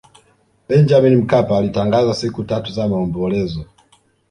benjamin mkapa alitangaza siku tatu za maombolezo